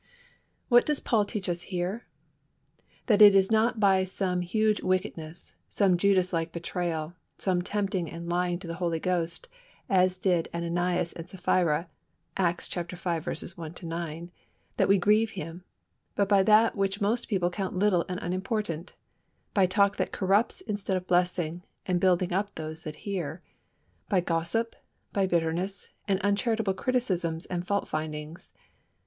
What does Paul teach us here? That it is not by some huge wickedness, some Judas like betrayal, some tempting and lying to the Holy Ghost, as did Ananias and Sapphira (Acts v. 1 9), that we grieve Him, but by that which most people count little and unimportant; by talk that corrupts instead of blessing and building up those that hear, by gossip, by bitterness, and uncharitable criticisms and fault findings.